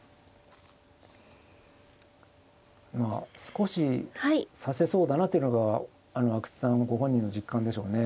まあ少し指せそうだなっていうのが阿久津さんご本人の実感でしょうね。